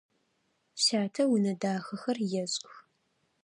Сятэ унэ дахэхэр ешӏых.